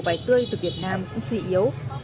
vải tươi từ việt nam cũng dị yếu